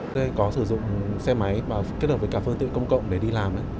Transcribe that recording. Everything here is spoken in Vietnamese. tôi có sử dụng xe máy và kết hợp với cả phương tiện công cộng để đi làm